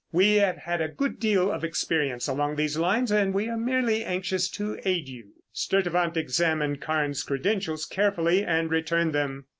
We have had a good deal of experience along these lines and we are merely anxious to aid you." Sturtevant examined Carnes' credentials carefully and returned them.